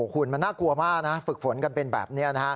คุณมันน่ากลัวมากนะฝึกฝนกันเป็นแบบนี้นะฮะ